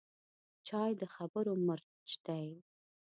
چای د خبرو مرچ دی